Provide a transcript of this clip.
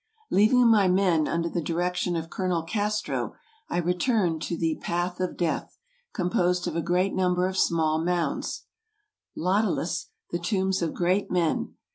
Leaving my men under the direction of Colonel Castro, I return to the '' Path of Death, '' composed of a great num ber of small mounds, Tlateles, the tombs of great men.